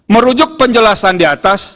merujuk penjelasan di atas